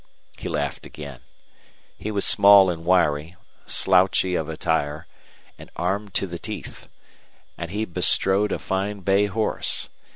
He laughed again. He was small and wiry, slouchy of attire, and armed to the teeth, and he bestrode a fine bay horse.